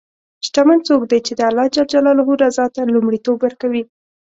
شتمن څوک دی چې د الله رضا ته لومړیتوب ورکوي.